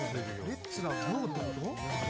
レッツラゴーってこと？